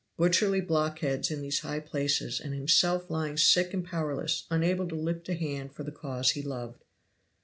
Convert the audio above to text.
Butcherly blockheads in these high places, and himself lying sick and powerless, unable to lift a hand for the cause he loved.